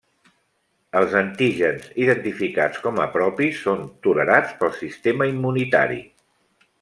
Els antígens identificats com a propis són tolerats pel sistema immunitari.